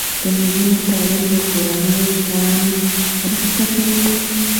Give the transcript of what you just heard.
د نجونو تعلیم د کورنۍ پلان مرسته کوي.